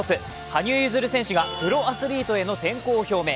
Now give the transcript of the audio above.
羽生結弦選手がプロアスリートへの転向を表明。